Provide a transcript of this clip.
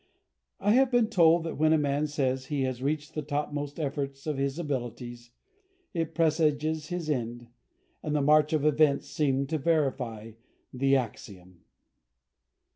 I have been told that when a man says he has reached the topmost effort of his abilities, it presages his end, and the march of events seemed to verify the axiom.